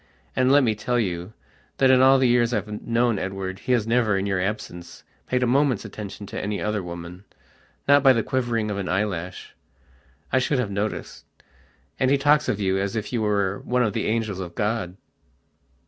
And, let me tell you, that in all the years I've known Edward he has never, in your absence, paid a moment's attention to any other womannot by the quivering of an eyelash. I should have noticed. And he talks of you as if you were one of the angels of God."